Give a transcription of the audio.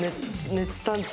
熱探知？